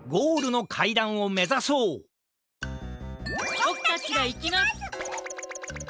ぼくたちがいきます！